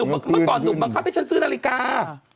เมื่อก่อนหนุ่มบังคับให้ฉันซื้อนาฬิกา